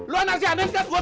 lo nasih andan kan gue kenal